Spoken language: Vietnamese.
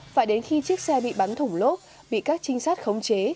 phải đến khi chiếc xe bị bắn thủng lốp bị các trinh sát khống chế